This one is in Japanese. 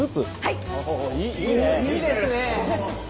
いいですね！